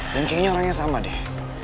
dan kayaknya orangnya sama deh